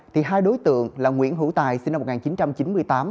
thì hai đối tượng là nguyễn hữu tài sinh năm một nghìn chín trăm chín mươi tám